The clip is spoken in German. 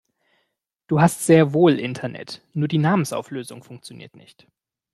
Du hast sehr wohl Internet, nur die Namensauflösung funktioniert nicht.